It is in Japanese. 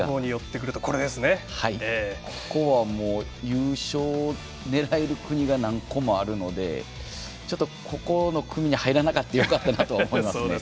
ここはもう優勝を狙える国が何個もあるのでちょっと、この組に入らなくてよかったなと思いますね。